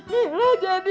mila jadi anak durang be